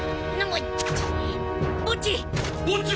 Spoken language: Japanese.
ボッジ！